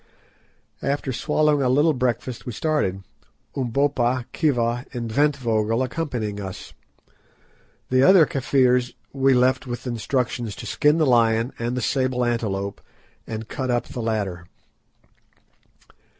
After swallowing a little breakfast we started, Umbopa, Khiva, and Ventvögel accompanying us. The other Kafirs we left with instructions to skin the lion and the sable antelope, and to cut up the latter.